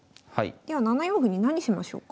では７四歩に何しましょうか。